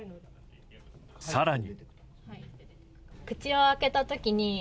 更に。